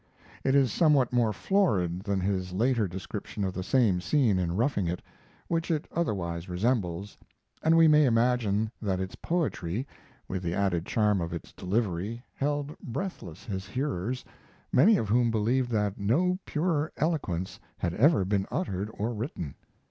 It is somewhat more florid than his later description of the same scene in Roughing It, which it otherwise resembles; and we may imagine that its poetry, with the added charm of its delivery, held breathless his hearers, many of whom believed that no purer eloquence had ever been uttered or written.